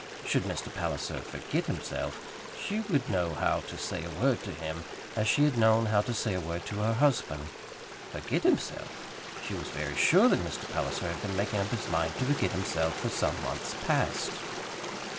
Should Mr. Palliser "forget" himself, she would know how to say a word to him as she had known how to say a word to her husband. Forget himself! She was very sure that Mr. Palliser had been making up his mind to forget himself for some months past.